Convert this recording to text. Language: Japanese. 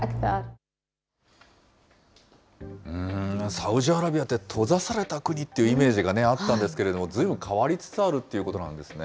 サウジアラビアって、閉ざされた国っていうイメージがあったんですけれども、ずいぶん変わりつつあるっていうことなんですね。